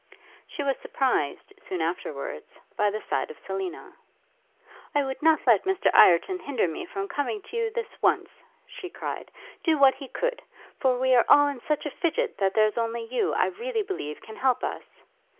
She was surprised, soon afterwards, by the sight of Selina. 'I would not let Mr Ireton hinder me from coming to you this once,' she cried, 'do what he could; for we are all in such a fidget, that there's only you, I really believe, can help us.